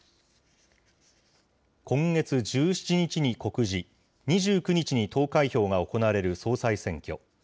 今月１７日に告示、２９日に投開票が行われる総裁選挙。